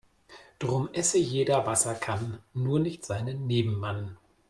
Drum esse jeder was er kann, nur nicht seinen Nebenmann.